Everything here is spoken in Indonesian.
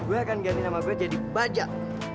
gue akan ganti nama gue jadi bajak